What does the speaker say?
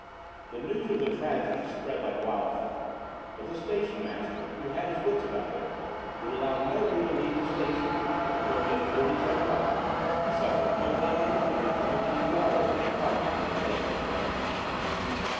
The news of the tragedy spread like wildfire, but the station master, who had his wits about him, would allow nobody to leave the station until the authorities had arrived, and suffered no man or woman to come within a yard of the compartment where the dead man lay.